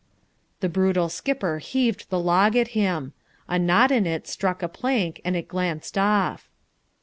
The brutal skipper heaved the log at him. A knot in it struck a plank and it glanced off.